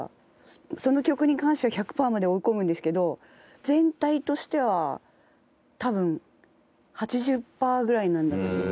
その曲に関しては１００パーまで追い込むんですけど全体としては多分８０パーぐらいなんだと思う。